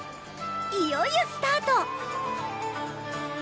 いよいよスタート